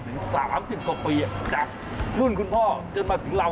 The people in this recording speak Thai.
ถึง๓๐กว่าปีจากรุ่นคุณพ่อจนมาถึงเรา